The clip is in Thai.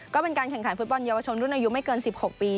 ก็เป็นการแข่งขันฟุตบอลเยาวชนรุ่นอายุไม่เกิน๑๖ปี